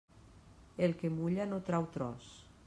El que mulla no trau tros.